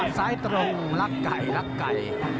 ซ้ายตรงรักไก่รักไก่